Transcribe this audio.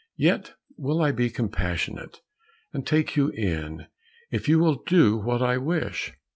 Yet will I be compassionate, and take you in, if you will do what I wish."